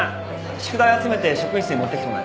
宿題集めて職員室に持ってきてもらえる？